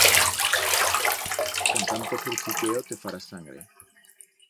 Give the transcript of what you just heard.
Con tanto zurciqueo te farás sangre.